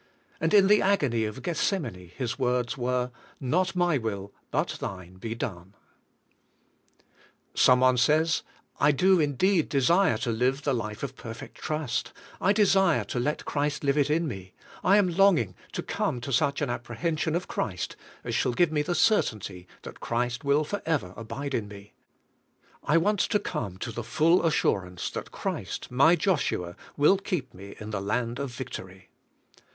And in the agony of Gethsem ane, His words were: "Not my will, but Thine, be done." Some one says: "I do indeed desire to live the life of perfect trust; I desire to let Christ live it in CHRIST OUR LIFE 70 me ; I am longing to come to such an apprehen sion of Christ as shall give me the certainty that Christ will forever abide in me; I want to come \o the full assurance that Christ, my Joshua, will keep me in the land of victory."